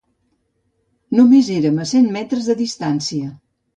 Només érem a cent metres de distància